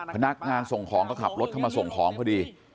พนักงานส่งของก็ขับรถเข้ามาส่งของพอดี